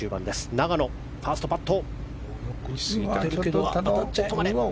永野、ファーストカット。